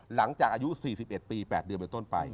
หลังจากอายุ๔๑ปี๘เดือนเป็นต้นไป